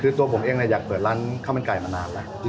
คือตัวผมเองอยากเปิดร้านข้าวมันไก่มานานแล้ว